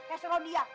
nah ya seron dia